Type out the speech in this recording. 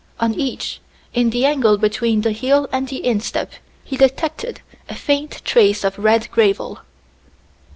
On each, in the angle between the heel and the instep, he detected a faint trace of red gravel.